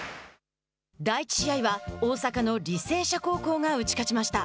第１試合は大阪の履正社高校が打ち勝ちました。